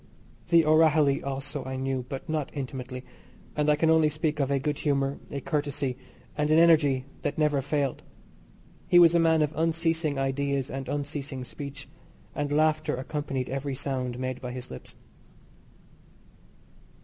The O'Rahilly also I knew, but not intimately, and I can only speak of a good humour, a courtesy, and an energy that never failed. He was a man of unceasing ideas and unceasing speech, and laughter accompanied every sound made by his lips.